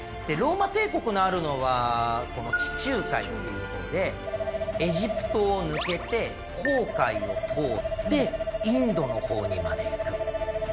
ローマ帝国のあるのはこの地中海っていうところでエジプトを抜けて紅海を通ってインドの方にまで行く。